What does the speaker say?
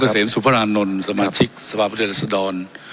ครับปฏิวัติกษ์ครับสุภาลานนท์สมาชิกสวรรค์ประเทศอสดร